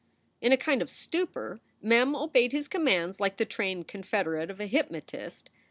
In a kind of stupor Mem obeyed his commands like the trained confederate of a hypnotist.